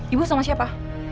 ibu sama siapa